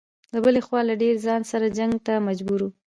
له بلې خوا له دیر خان سره جنګ ته مجبور و.